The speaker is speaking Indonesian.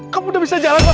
kamu udah bisa jalan pak